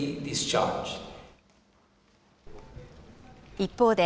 一方で、